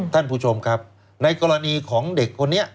ท่านผู้ชมครับในกรณีของเด็กคนนี้